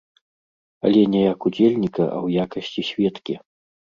Але не як удзельніка, а ў якасці сведкі.